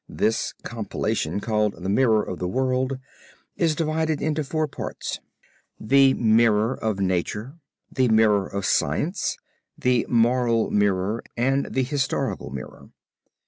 This compilation, called The Mirror of the World, is divided into four parts: The Mirror of Nature, The Mirror of Science, the Moral Mirror, and the Historical Mirror.